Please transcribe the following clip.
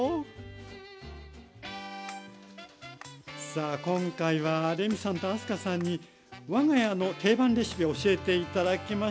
さあ今回はレミさんと明日香さんにわが家の定番レシピを教えて頂きました。